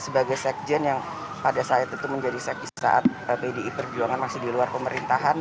sebagai sekjen yang pada saat itu menjadi seks saat pdi perjuangan masih di luar pemerintahan